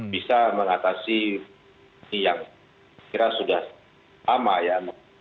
bisa mengatasi yang kira sudah lama ya